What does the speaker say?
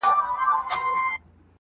ما د زندان په دروازو کي ستا آواز اورېدی-